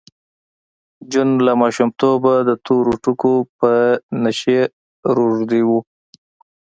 جون له ماشومتوبه د تورو ټکو په نشه روږدی و